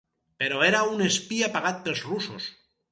Però era un espia pagat pels russos.